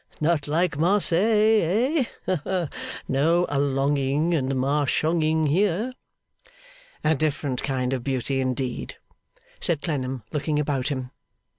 Not like Marseilles, eh? No allonging and marshonging here!' 'A different kind of beauty, indeed!' said Clennam, looking about him.